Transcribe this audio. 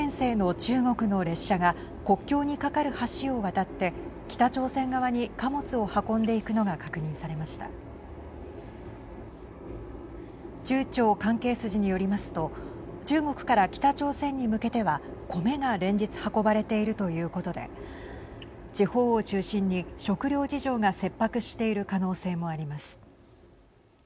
中朝関係筋によりますと中国から北朝鮮に向けては米が連日運ばれているということで地方を中心に食料事情が切迫している可能性もあります。